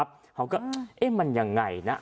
เขาก็เอ๊ะมันยังไงนะ